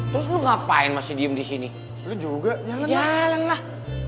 terus lu ngapain masih diem di sini lu juga jalan lah jalan lah